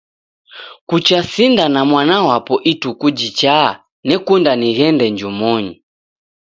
Kucha sinda na mwana wapo ituku jichaa, nekunda nighende njumonyi.